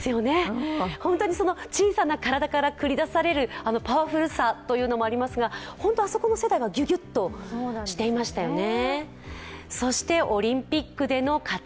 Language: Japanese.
本当に小さな体から繰り出されるパワフルさというのもありますが、あそこの世代はギュギュッとしてましたよね。